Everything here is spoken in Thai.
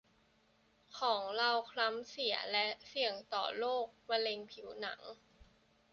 ของเราคล้ำเสียและเสี่ยงต่อโรคมะเร็งผิวหนังได้